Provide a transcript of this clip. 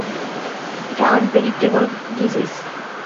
এটা unpredictable disease.